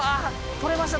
取れました！